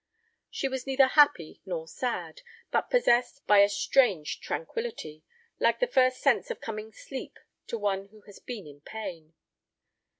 She was neither happy nor sad, but possessed by a strange tranquillity, like the first sense of coming sleep to one who has been in pain.